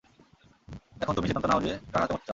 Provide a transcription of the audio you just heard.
এখন তুমি সিদ্ধান্ত নাও যে, কার হাতে মরতে চাও।